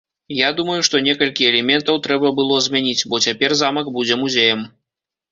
Я думаю, што некалькі элементаў трэба было змяніць, бо цяпер замак будзе музеям.